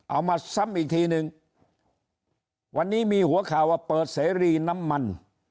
เอามาซ้ำอีกทีนึงวันนี้มีหัวข่าวว่าเปิดเสรีน้ำมัน